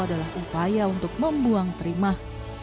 adalah upaya untuk membuang timah